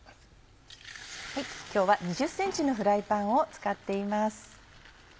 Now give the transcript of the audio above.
今日は２０ｃｍのフライパンを使っています。